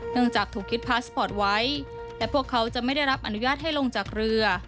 จากถูกคิดพาสปอร์ตไว้และพวกเขาจะไม่ได้รับอนุญาตให้ลงจากเรือ